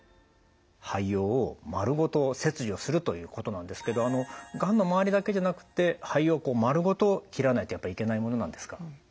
肺葉をまるごと切除するということなんですけどがんの周りだけじゃなくって肺葉をまるごと切らないとやっぱりいけないものなんですか？